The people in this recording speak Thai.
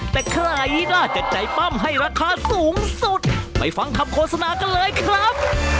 แต่ใครน่าจะใจปั้มให้ราคาสูงสุดไปฟังคำโฆษณากันเลยครับ